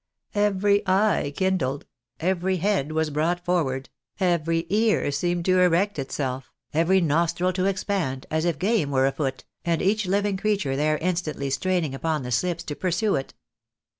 Every eye kindled ; every head was brought forward ; every ear seemed to erect itself ; every nostril to expand, as if game were afoot, and each Uving creature there instantly straining upon the slips to pursue it.